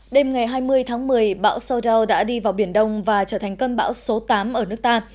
đêm ngày hai mươi tháng một mươi bão soudal đã đi vào biển đông và trở thành cơn bão số tám ở nước ta